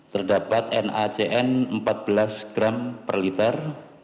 terdapat nacn empat belas gram per liter